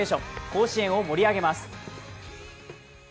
甲子園を盛り上げます。